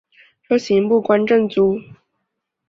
授刑部观政卒。